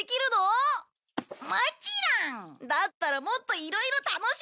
だったらもっといろいろ楽しもうよ。